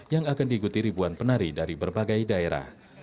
yang akan diikuti ribuan penari dari berbagai daerah